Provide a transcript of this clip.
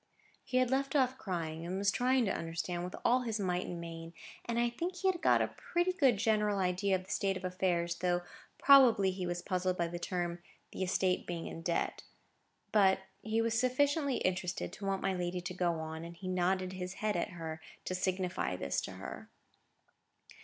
He had left off crying, and was trying to understand, with all his might and main; and I think he had got a pretty good general idea of the state of affairs; though probably he was puzzled by the term "the estate being in debt." But he was sufficiently interested to want my lady to go on; and he nodded his head at her, to signify this to her.